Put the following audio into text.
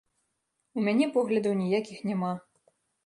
У мяне поглядаў ніякіх няма.